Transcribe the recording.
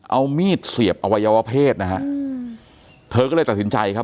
เอามีดเสียบอวัยวะเพศนะฮะเธอก็เลยตัดสินใจครับ